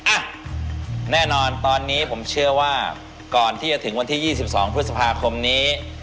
อ่ะแน่นอนตอนนี้ผมเชื่อว่าก่อนที่จะถึงวันที่๒๒พฤษภาคมนี้